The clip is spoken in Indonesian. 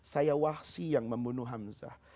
saya wahsyi yang membunuh hamzah